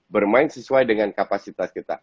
bermain sesuai dengan kapasitas kita